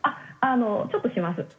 あっあのちょっとします。